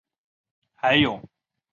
还有各种更复杂的独立工具。